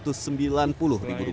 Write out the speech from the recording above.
pembeli itu malah agak menurun